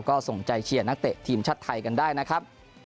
ก็ส่งใจเชียร์นักเตะทีมชาติไทยกันได้นะครับ